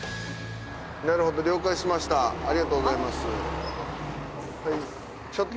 なるほど了解しましたありがとうございます。